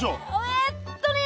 えっとね